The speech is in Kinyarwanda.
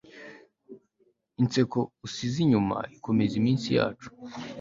inseko usize inyuma komeza iminsi yacu